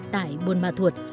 tại buôn ma thuột